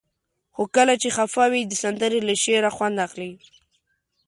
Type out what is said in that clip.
خو کله چې خفه وئ؛ د سندرې له شعره خوند اخلئ.